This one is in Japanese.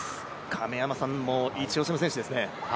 亀山さんの一押しの選手ですね。